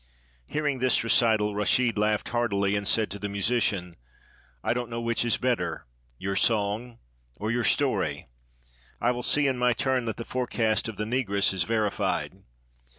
'" "Hearing this recital, Rashid laughed heartily, and said to the musician: 'I don't know which is better, your song or your story; I will see in my turn that the forecast of the Negress is verified.'